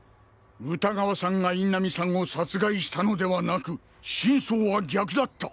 歌川さんが印南さんを殺害したのではなく真相は逆だった。